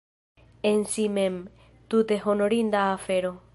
En si mem, tute honorinda afero.